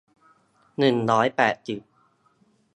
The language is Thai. หนึ่งร้อยแปดสิบ